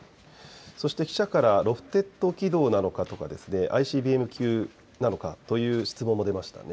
そして記者からロフテッド軌道なのかとかＩＣＢＭ級なのかという質問も出ましたね。